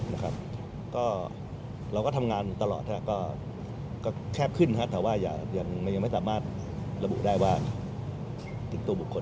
เราก็ทำงานตลอดแคบขึ้นแต่มันไม่สามารถระบุได้ว่าเป็นตัวบุคคล